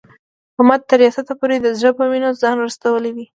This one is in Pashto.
احمد تر ریاست پورې د زړه په وینو ځان رسولی دی.